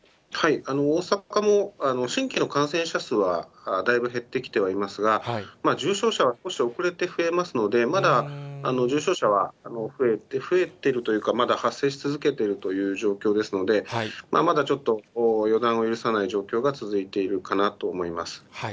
大阪も、新規の感染者数はだいぶ減ってきてはいますが、重症者は少し遅れて増えますので、まだ重症者は増えてるというか、まだ発生し続けているという状況ですので、まだちょっと、予断を許さない状況が続いているかなと思います。